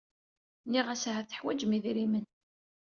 Nniɣ-as ahat teḥwaǧem idrimen.